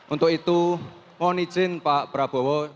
untuk itu mohon izin pak prabowo